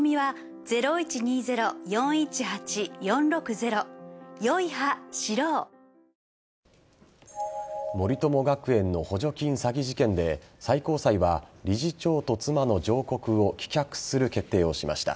さらに宇宙空間で日本の人工衛星が森友学園の補助金詐欺事件で最高裁は、理事長と妻の上告を棄却する決定をしました。